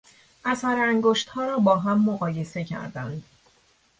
اثر انگشتها را با هم مقایسه کردند.